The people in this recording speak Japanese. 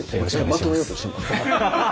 まとめようとして？